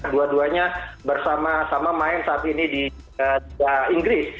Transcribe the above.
dua duanya bersama sama main saat ini di inggris